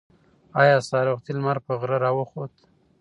ایا سهار وختي لمر په غره راوخوت؟